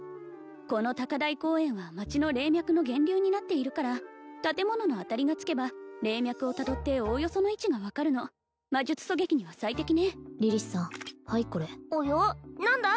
この高台公園は町の霊脈の源流になっているから建物のアタリがつけば霊脈をたどっておおよその位置が分かるの魔術狙撃には最適ねリリスさんはいこれおよ？何だ？